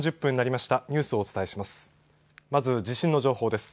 まず地震の情報です。